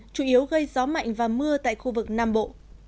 chủ yếu gây gió mạnh và mưa tại khu vực nam bộ